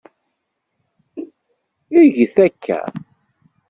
Get-t akka.